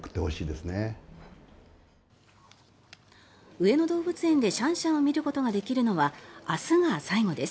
上野動物園で、シャンシャンを見ることができるのは明日が最後です。